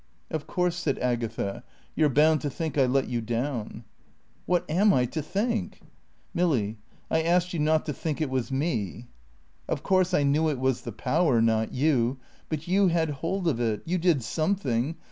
"Of course," said Agatha, "you're bound to think I let you down." "What am I to think?" "Milly I asked you not to think it was me." "Of course I knew it was the Power, not you. But you had hold of it. You did something.